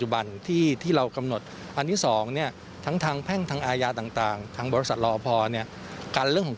วันอันดับสอง